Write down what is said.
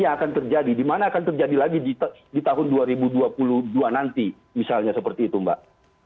yang akan terjadi di mana akan terjadi lagi di tahun dua ribu dua puluh dua nanti misalnya seperti itu mbak